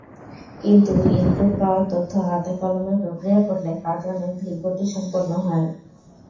কিন্তু ইনপুট পাওয়ার তথ্য হাতে-কলমে প্রক্রিয়া করলে কাজ অনেক ধীরগতিসম্পন্ন হয়।